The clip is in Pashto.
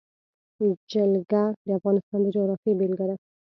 جلګه د افغانستان د جغرافیې بېلګه ده.